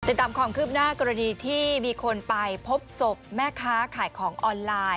ติดตามความคืบหน้ากรณีที่มีคนไปพบศพแม่ค้าขายของออนไลน์